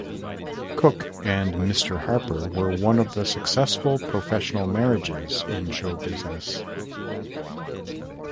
Cook and Mr. Harper were one of the successful professional marriages in show business.